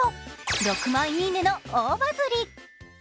６万いいねの大バズり。